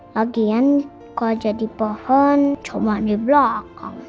lagian kok jadi pohon cuma di belakang